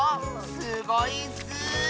すごいッス！